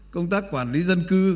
công tác quản lý dân cư